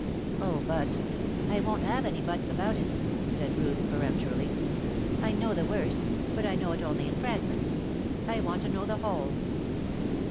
"Oh, but " "I won't have any 'buts' about it," said Ruth, peremptorily. "I know the worst, but I know it only in fragments. I want to know the whole."